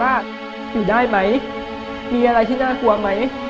อยู่ได้ไหมมีอะไรที่น่ากลัวไหม